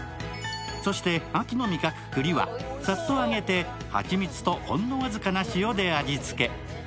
そして秋の味覚、くりはさっと揚げてはちみつとほんの僅かな塩で味付け。